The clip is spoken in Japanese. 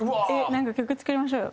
なんか曲作りましょうよ。